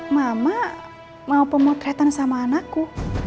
mama mau pemotretan sama anakku